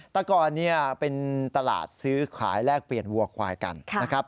แต่ก่อนเนี่ยเป็นตลาดซื้อขายแลกเปลี่ยนวัวควายกันนะครับ